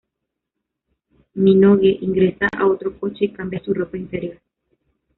Minogue ingresa a otro coche y cambia su ropa interior.